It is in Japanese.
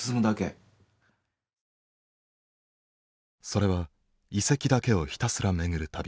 それは遺跡だけをひたすら巡る旅。